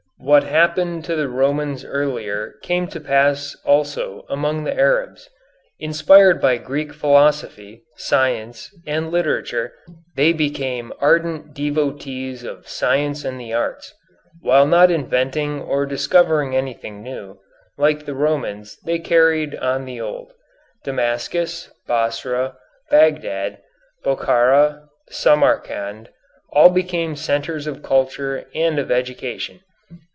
What happened to the Romans earlier came to pass also among the Arabs. Inspired by Greek philosophy, science, and literature, they became ardent devotees of science and the arts. While not inventing or discovering anything new, like the Romans they carried on the old. Damascus, Basra, Bagdad, Bokhara, Samarcand all became centres of culture and of education.